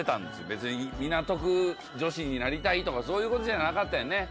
別に港区女子になりたいとかそういう事じゃなかったんやね。